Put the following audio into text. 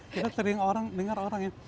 kita sering dengar orang